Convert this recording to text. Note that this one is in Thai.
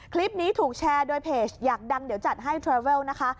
คลิปนี้ถูกแชร์โดยเพจอยากดังเดี๋ยวจัดให้เทรเวลนะคะ